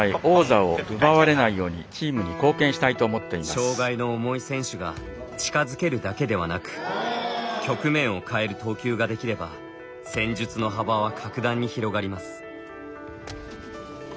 障がいの重い選手が近づけるだけではなく局面をかえる投球ができれば戦術の幅は格段に広がります。